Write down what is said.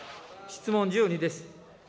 質問１２です。